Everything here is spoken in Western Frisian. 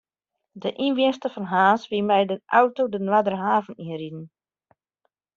De ynwenster fan Harns wie mei de auto de Noarderhaven yn riden.